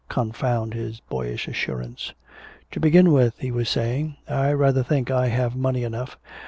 Confound his boyish assurance! "To begin with," he was saying, "I rather think I have money enough.